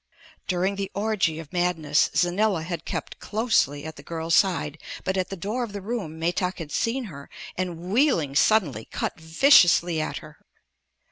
During the orgy of madness Xanila had kept closely at the girl's side but at the door of the room Metak had seen her and, wheeling suddenly, cut viciously at her.